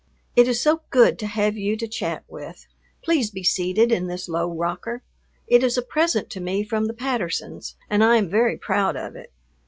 It is so good to have you to chat with. Please be seated in this low rocker; it is a present to me from the Pattersons and I am very proud of it.